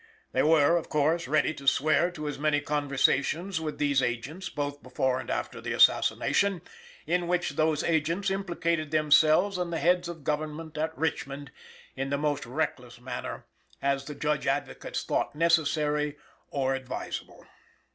They were, of course, ready to swear to as many conversations with these agents, both before and after the assassination, in which those agents implicated themselves and the heads of government at Richmond in the most reckless manner, as the Judge Advocates thought necessary or advisable.